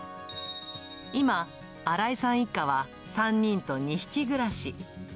今、荒井さん一家は３人と２匹暮らし。